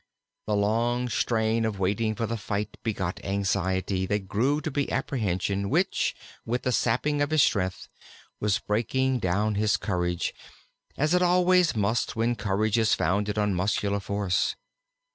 The long strain of waiting for the fight begot anxiety, that grew to be apprehension, which, with the sapping of his strength, was breaking down his courage, as it always must when courage is founded on muscular force.